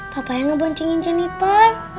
papanya ngeboncingin jeniper